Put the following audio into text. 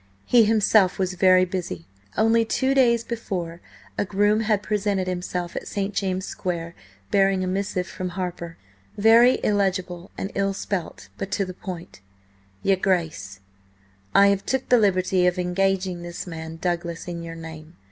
He himself was very busy. Only two days before a groom had presented himself at St. James's Square, bearing a missive from Harper, very illegible and ill spelt, but to the point: "Yr. Grace, "I have took the liberty of engageing this Man, Douglas, in Yr. Name.